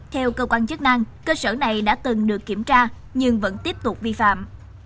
theo cơ quan chức năng cơ sở này đã từng được kiểm tra nhưng vẫn tiếp tục vi phạm